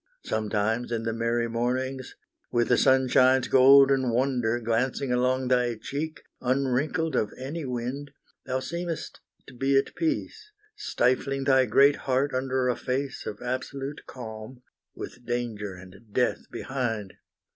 Sometimes in the merry mornings, with the sunshine's golden wonder Glancing along thy cheek, unwrinkled of any wind, Thou seemest to be at peace, stifling thy great heart under A face of absolute calm, with danger and death behind!